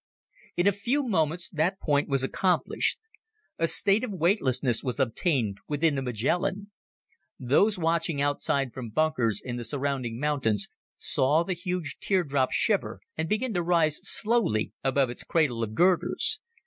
In a few moments that point was accomplished. A state of weightlessness was obtained within the Magellan. Those watching outside from bunkers in the surrounding mountains saw the huge teardrop shiver and begin to rise slowly above its cradle of girders.